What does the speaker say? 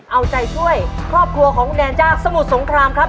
เอาใจช่วยครอบครัวของคุณแนนจากสมุทรสงครามครับ